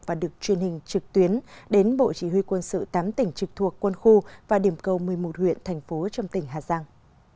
và được truyền hình trực tuyến đến bộ chỉ huy quân sự tám tỉnh trực thuộc quân khu và điểm cầu một mươi một huyện thành phố trong tỉnh hà giang